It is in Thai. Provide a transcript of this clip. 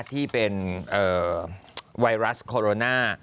ที่เป็นไวรัสโคโรนา